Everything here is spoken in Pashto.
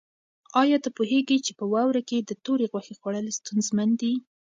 آیا ته پوهېږې چې په واوره کې د تورې غوښې خوړل ستونزمن دي؟